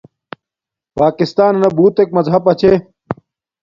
پاکستانانا بوتک مزہپا چھے